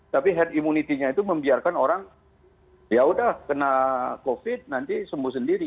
tapi herd immunity nya itu membiarkan orang ya udah kena covid nanti sembuh sendiri